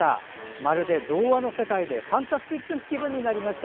まるで童話の世界でファンタスティックな気分になりました。